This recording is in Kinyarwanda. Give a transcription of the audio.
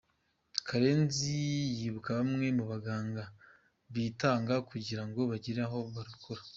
Karenzi yibuka bamwe mu baganga bitanga kugira ngo bagire abo barokora.